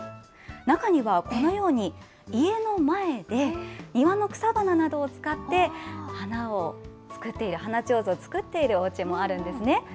中にはこのように、家の前で庭の草花などを使って、花を作っている、花ちょうずを作っているおうちもあるんですね。